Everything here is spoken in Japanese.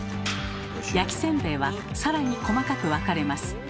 焼きせんべいは更に細かく分かれます。